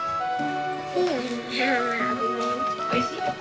おいしい？